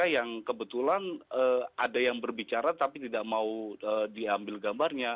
yang kebetulan ada yang berbicara tapi tidak mau diambil gambarnya